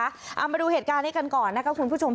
เอามาดูเหตุการณ์นี้กันก่อนนะคะคุณผู้ชม